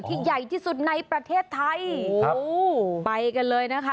ใหญ่ที่สุดในประเทศไทยโอ้โหไปกันเลยนะคะ